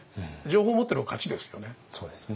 情報持ってる方が勝ちですよね。